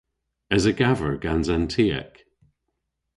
Esa gaver gans an tiek?